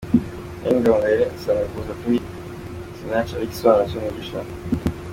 Aline Gahongayire asanga kuza kwa Sinach ari igisobanuro cy'umugisha.